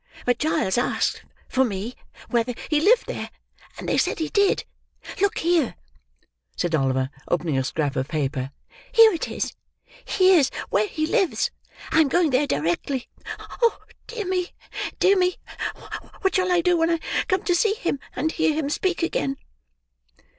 But Giles asked, for me, whether he lived there, and they said he did. Look here," said Oliver, opening a scrap of paper, "here it is; here's where he lives—I'm going there directly! Oh, dear me, dear me! What shall I do when I come to see him and hear him speak again!"